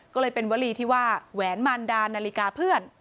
ก็เลยเป็นวลีที่ว่าแหวนมารดานาฬิกาเพื่อน